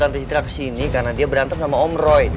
jangan kecil kecilan kesini karena dia berantem sama om roy